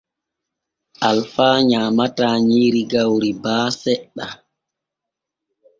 Alfa nyaamataa nyiiri gawri baa seɗɗa.